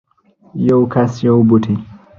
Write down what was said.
یو کس یو بوټی